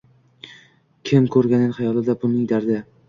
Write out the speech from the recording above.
Kim koʼrganning xayolida pulning dardi